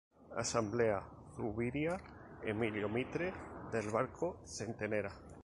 Asamblea, Zuviría, Emilio Mitre, Del Barco Centenera.